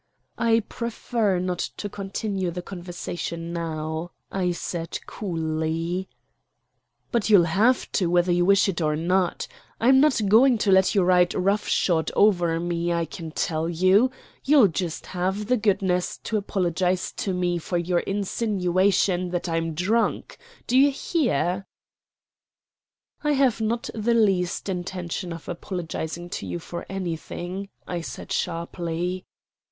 "I prefer not to continue the conversation now," I said coolly. "But you'll have to, whether you wish it or not. I'm not going to let you ride roughshod over me, I can tell you. You'll just have the goodness to apologize to me for your insinuation that I'm drunk. D'ye hear?" "I have not the least intention of apologizing to you for anything," said I sharply.